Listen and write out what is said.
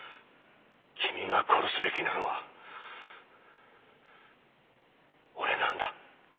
君が殺すべきなのは俺なんだ。